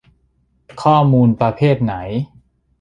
ข้อมูลประเภทไหน